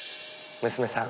娘さん。